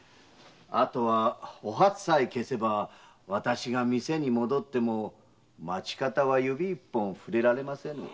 後はお初さえ消せばわたしが店に戻っても町方は指一本触れられませぬ。